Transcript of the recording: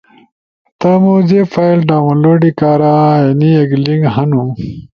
تمو زیب فائل ڈاونلوڈی کارا اینی ایک لنک ہنو۔